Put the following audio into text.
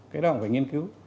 cái đó ông phải nghiên cứu